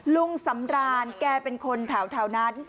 ลุงสำรานแกเป็นคนแถวนั้น